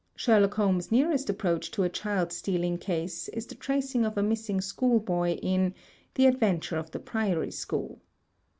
Sherlock Holmes' nearest approach to a child stealing case is the tracing of a missing school boy in "The Adventure of the Priory School."